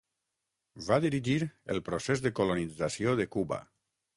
Va dirigir el procés de colonització de Cuba.